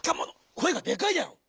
こえがでかいであろう！